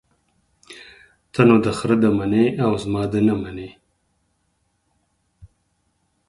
ته نو دخره ده منې او زما ده نه منې.